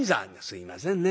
「すいませんね。